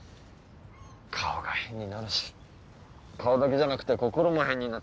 顔が変になるし顔だけじゃなくて心も変になっちゃいそうで。